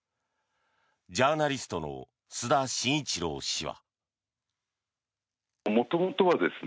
ジャーナリストの須田慎一郎氏は。